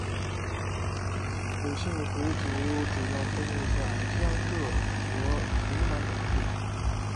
伍姓回族主要分布在江浙和湖南等地。